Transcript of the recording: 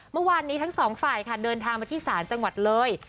เมื่อวานนี้ทั้งสองฝ่ายค่ะเดินทางมาที่ศาลจังหวัดเลย